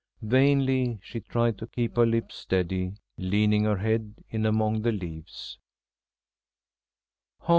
Vainly she tried to keep her lip steady, leaning her head in among the leaves.